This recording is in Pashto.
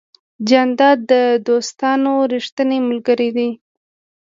جانداد د دوستانو ریښتینی ملګری دی.